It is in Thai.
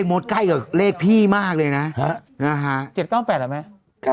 เลขโมดใกล้กับเลขพี่มากเลยนะ